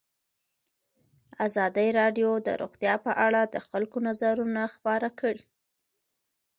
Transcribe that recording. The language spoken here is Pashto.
ازادي راډیو د روغتیا په اړه د خلکو نظرونه خپاره کړي.